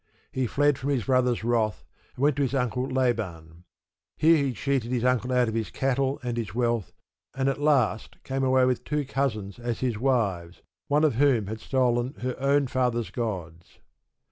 He fled from his brother's wrath, and went to his uncle Laban. Here he cheated his uncle out of his cattle and his wealth, and at last came away with his two cousins as his wives, one of whom had stolen her own father's gods.